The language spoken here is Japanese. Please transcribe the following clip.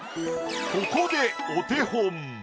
ここでお手本。